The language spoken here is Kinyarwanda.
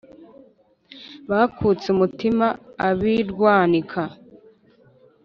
bakutse umutima ab'i rwanika